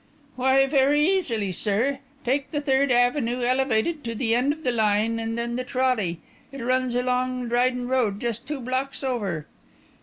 "Why, very easily, sir. Take the Third Avenue elevated to the end of the line, and then the trolley. It runs along Dryden Road, just two blocks over."